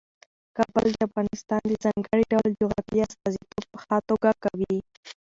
کابل د افغانستان د ځانګړي ډول جغرافیې استازیتوب په ښه توګه کوي.